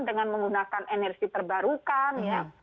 dengan menggunakan energi terbarukan